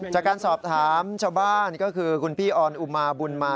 จากการสอบถามชาวบ้านก็คือคุณพี่ออนอุมาบุญมา